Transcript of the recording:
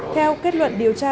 theo kết luận điều tra